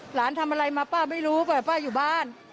หลานทำอะไรมาป้าไม่รู้ไปป้าอยู่บ้าน